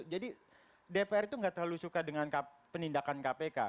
jadi dpr itu nggak terlalu suka dengan penindakan kpk